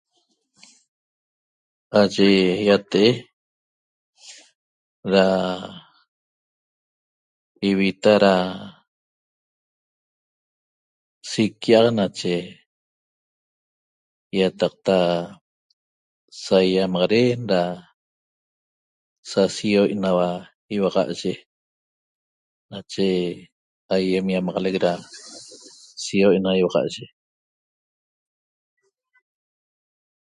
Aye ýate'e da ivita da siquiaq nache ýatqata saýamaxaden da sa sioi' naua ýiuaxa'ye nache aýem ýamaxalec da siýoi' na ýiuaxa'ye